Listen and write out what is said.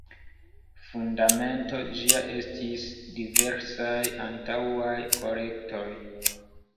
Fundamento ĝia estis diversaj antaŭaj kolektoj.